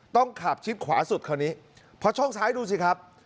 ต้องขับชิดขวาสุดคราวนี้พอช่องซ้ายดูสิครับ